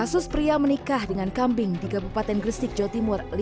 kasus pria menikah dengan kambing di kabupaten gresik jawa timur